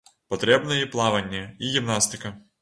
Патрэбныя і плаванне, і гімнастыка.